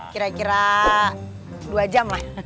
kira kira dua jam lah